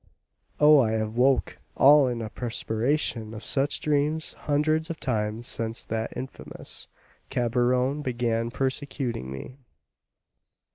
Oh, I have woke all in a perspiration from such dreams hundreds of times since that infamous Cabrion began persecuting me."